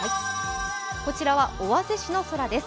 こちらは尾鷲市の空です。